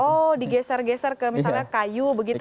oh digeser geser ke misalnya kayu begitu ya